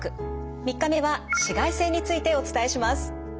３日目は紫外線についてお伝えします。